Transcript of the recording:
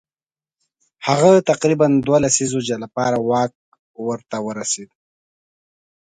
هغه تقریبا دوو لسیزو لپاره واک ورته ورسېد.